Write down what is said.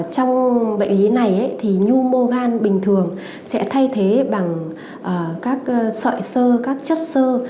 trong bệnh lý này nhu mô gan bình thường sẽ thay thế bằng các sợi sơ các chất sơ